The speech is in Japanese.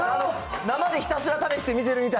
生でひたすら試してしてるみたい。